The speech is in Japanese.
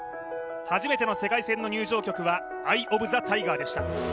初めての世界戦の入場曲は「アイ・オブ・ザ・タイガー」でした。